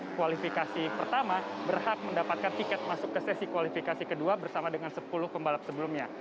kualifikasi pertama berhak mendapatkan tiket masuk ke sesi kualifikasi kedua bersama dengan sepuluh pembalap sebelumnya